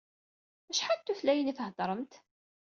Acḥal n tutlayin i theddṛemt?